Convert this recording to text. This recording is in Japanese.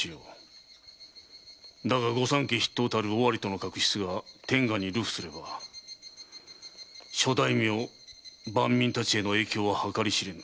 だが御三家筆頭たる尾張との確執が天下に流布すれば諸大名・万民たちへの影響は計り知れぬ。